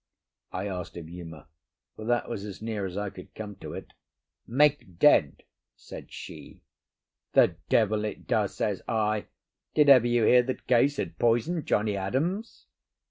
I asked of Uma, for that was as near as I could come to it. "Make dead," said she. "The devil it does!" says I. "Did ever you hear that Case had poisoned Johnnie Adams?"